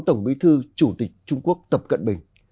tổng bí thư chủ tịch trung quốc tập cận bình